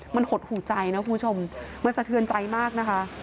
มันหดหูใจนะคุณผู้ชมมันสะเทือนใจมากนะคะ